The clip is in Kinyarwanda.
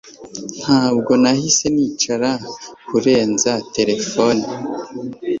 Ntabwo nahise nicara kurenza telefone